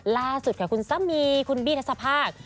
ล่าสุดค่ะคุณสามีคุณบี้ทัศภาค